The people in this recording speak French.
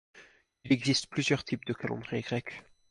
Il existe plusieurs types de calendriers grecs.